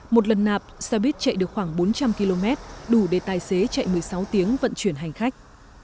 một lần nạp xe buýt chạy được khoảng bốn trăm linh km đủ để tài xế chạy một mươi sáu tiếng vận chuyển hành khách